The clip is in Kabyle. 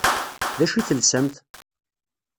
D acu i telsamt?